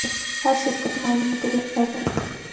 هر شرکت مالي مدیر ته اړتیا لري.